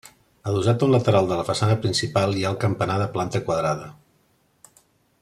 Adossat a un lateral de la façana principal hi ha el campanar de planta quadrada.